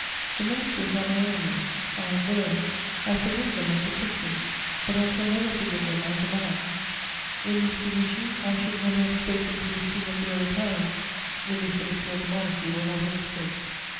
The ministers are my enemies; I am theirs; I forgive them as a Christian; but I shall never forgive them as a man; in this position, I should never have spoken to the King of their retiring, if the safety of the Monarchy were not at stake.